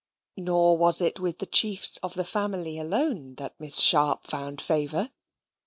Nor was it with the chiefs of the family alone that Miss Sharp found favour.